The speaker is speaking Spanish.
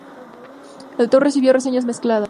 El tour recibió reseñas mezcladas.